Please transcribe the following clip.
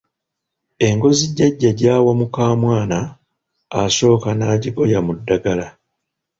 Engozi jjajja gy’awa mukamwana asooka n’agigoya mu ddagala